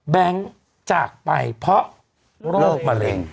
จากไปเพราะโรคมะเร็ง